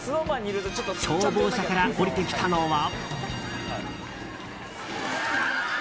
消防車から降りてきたのは。